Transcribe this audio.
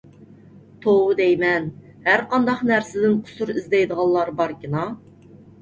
توۋا دەيمەن، ھەر قانداق نەرسىدىن قۇسۇر ئىزدەيدىغانلار باركىنا.